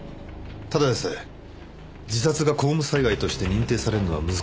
ただでさえ自殺が公務災害として認定されるのは難しいのに。